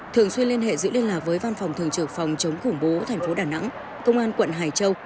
thường xuyên liên hệ giữ liên lạc với văn phòng thường trực phòng chống khủng bố thành phố đà nẵng công an quận hải châu